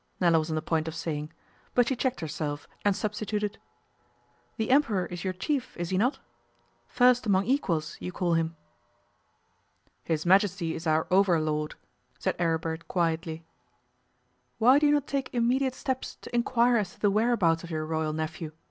Nella was on the point of saying, but she checked herself and substituted, 'The Emperor is your chief, is he not? "First among equals", you call him.' 'His Majesty is our over lord,' said Aribert quietly. 'Why do you not take immediate steps to inquire as to the whereabouts of your Royal nephew?